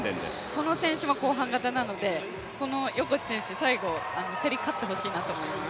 この選手も後半型なので横地選手、最後、競り勝ってほしいなって思います。